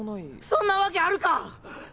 そんなわけあるか！